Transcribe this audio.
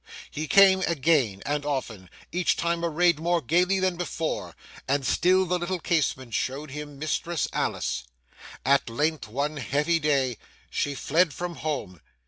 He came again and often, each time arrayed more gaily than before, and still the little casement showed him Mistress Alice. At length one heavy day, she fled from home.